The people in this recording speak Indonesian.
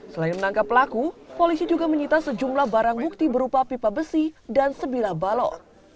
selain menangkap pelaku polisi juga menyita sejumlah barang bukti berupa pipa besi dan sebilah balok